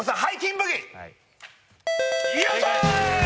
よっしゃー！